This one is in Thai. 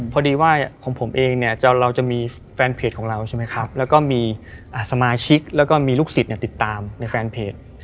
พอดีว่าของผมเองเนี่ยเราจะมีแฟนเพจของเราใช่ไหมครับแล้วก็มีสมาชิกแล้วก็มีลูกศิษย์ติดตามในแฟนเพจ